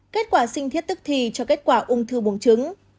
kết quả sinh thiết tức thì cho kết quả ung thư buồng trứng